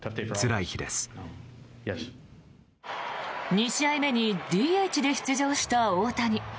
２試合目にＤＨで出場した大谷。